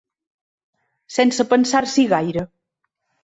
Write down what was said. Sense pensar-s'hi gaire.